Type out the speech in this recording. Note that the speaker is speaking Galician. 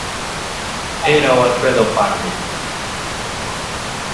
Era o Alfredo Pardo.